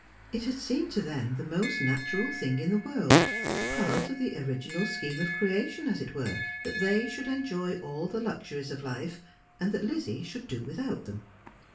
It had seemed to them the most natural thing in the world, a part of the original scheme of creation, as it were, that they should enjoy all the luxuries of life, and that Lizzie should do without them.